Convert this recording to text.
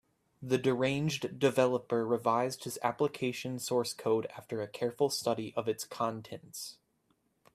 The deranged developer revised his application source code after a careful study of its contents.